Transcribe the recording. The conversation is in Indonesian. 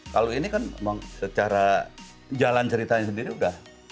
kalau ini kan secara jalan ceritanya sendiri udah